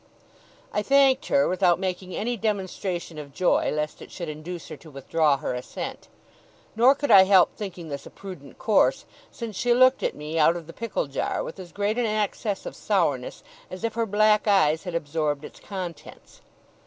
I thanked her, without making any demonstration of joy, lest it should induce her to withdraw her assent. Nor could I help thinking this a prudent course, since she looked at me out of the pickle jar, with as great an access of sourness as if her black eyes had absorbed its contents.